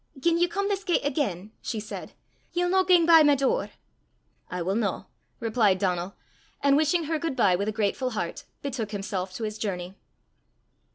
"Gien ye come this gait again," she said, "ye'll no gang by my door?" "I wull no," replied Donal, and wishing her good bye with a grateful heart, betook himself to his journey.